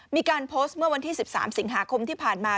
มีการโพสต์เมื่อวันที่๑๓สิงหาคมที่ผ่านมา